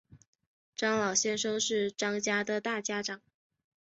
张老先生是张家的大家长